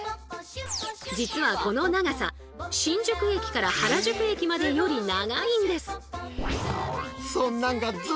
実はこの長さ新宿駅から原宿駅までより長いんです。